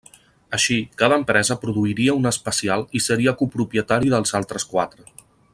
Així, cada empresa produiria un especial i seria copropietari dels altres quatre.